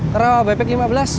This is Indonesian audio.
ke rawa baipik lima belas